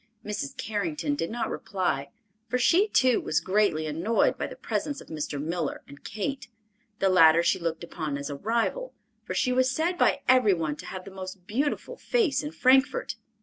Mrs. Carrington did not reply, for she, too, was greatly annoyed by the presence of Mr. Miller and Kate. The latter she looked upon as a rival, for she was said by every one to have the most beautiful face in Frankfort.